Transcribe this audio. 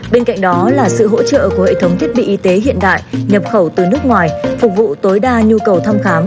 bên cạnh đó là sự hỗ trợ của hệ thống thiết bị y tế hiện đại nhập khẩu từ nước ngoài phục vụ tối đa nhu cầu thăm khám